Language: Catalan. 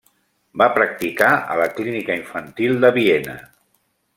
Va practicar a la clínica infantil de Viena.